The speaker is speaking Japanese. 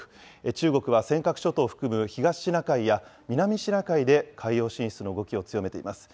中国は尖閣諸島を含む東シナ海や南シナ海で海洋進出の動きを強めています。